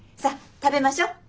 さっ食べましょ。